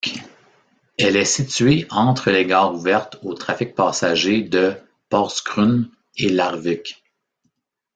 Elle est située entre les gares ouvertes au trafic passager de Porsgrunn et Larvik.